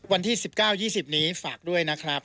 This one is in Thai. วันที่๑๙๒๐นี้ฝากด้วยนะครับ